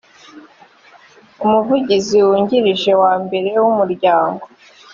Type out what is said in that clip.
umuvugizi wungirije wa mbere w umuryango